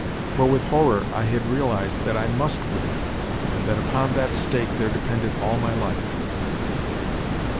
For with horror I had realised that I must win, and that upon that stake there depended all my life.